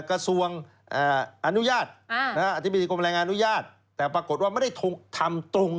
อันนี้เดี๋ยวพูดให้ฟัง